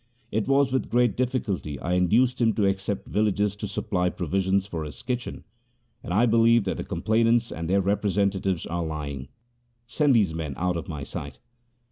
It was with great difficulty I induced him to accept villages to supply provisions for his kitchen, and I believe that the complainants and their representatives are lying. Send these men out of my sight.'